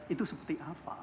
itu seperti apa